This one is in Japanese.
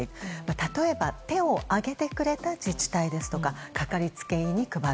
例えば、手を挙げてくれた自治体ですとかかかりつけ医に配る。